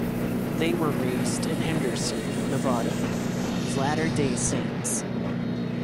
They were raised in Henderson, Nevada, as Latter-Day Saints.